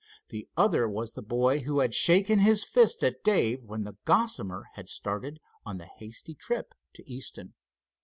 The other was the boy who had shaken his fist at Dave when the Gossamer had started on the hasty trip to Easton.